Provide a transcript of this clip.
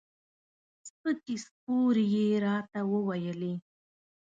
سپکې سپورې یې راته وویلې.